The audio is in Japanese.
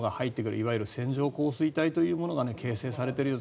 いわゆる線状降水帯というものが形成されている様子。